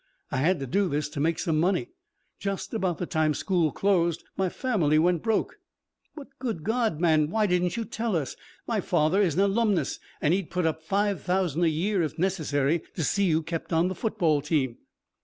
I had to do this to make some money. Just about the time school closed, my family went broke." "But, good God, man, why didn't you tell us? My father is an alumnus and he'd put up five thousand a year, if necessary, to see you kept on the football team."